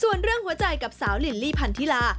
ส่วนเรื่องหัวใจกับสาวลิลลี่พันธิลา